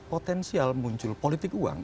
potensial muncul politik uang